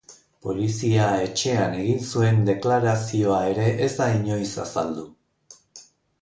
Polizia etxean egin zuen deklarazioa ere ez da inoiz azaldu.